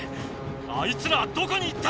あいつらはどこに行った？